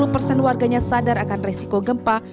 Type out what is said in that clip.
lima puluh persen warganya sadar akan resiko gempa